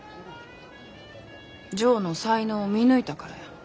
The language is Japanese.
ジョーの才能を見抜いたからや。